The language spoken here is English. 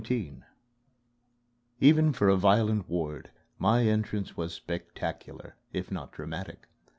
XIX Even for a violent ward my entrance was spectacular if not dramatic.